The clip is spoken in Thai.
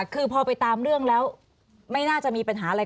คือพอไปตามเรื่องแล้วไม่น่าจะมีปัญหาอะไร